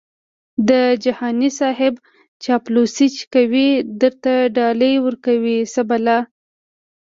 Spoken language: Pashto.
د جهاني صیب چاپلوسي چې کوي درته ډالري ورکوي څه بلا🤑🤣